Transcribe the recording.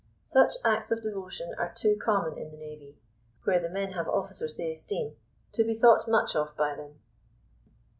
Such acts of devotion are too common in the navy, where the men have officers they esteem, to be thought much of by them.